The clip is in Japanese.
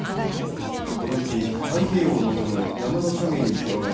このうち太平洋を望む山の斜面に広がる